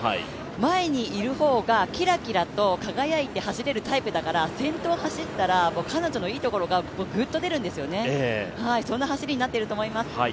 前にいる方がキラキラと輝いて走れるタイプだから先頭を走ったら彼女のいいところがグッと出るんですよね、そんな走りになっていると思います。